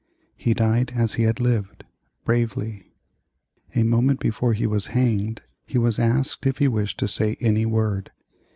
He died as he had lived bravely. A moment before he was hanged he was asked if he wished to say any word.